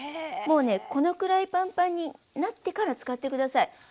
もうねこのくらいパンパンになってから使って下さい。